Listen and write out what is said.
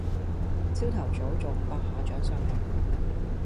朝頭早做五百下掌上壓